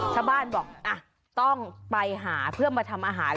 ชาวบ้านบอกต้องไปหาเพื่อมาทำอาหาร